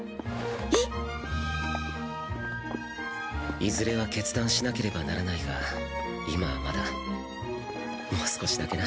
えっ？いずれは決断しなければならないが今はまだもう少しだけな。